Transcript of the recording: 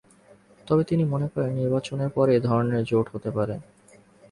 তবে তিনি মনে করেন, নির্বাচনের পরে এ ধরনের জোট হতে পারে।